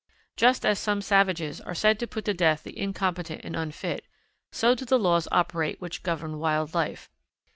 Just as some savages are said to put to death the incompetent and unfit, so do the laws operate which govern wild life.